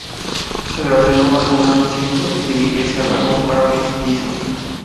Se le ordenó abandonar su asiento y dirigirse al vagón para mestizos.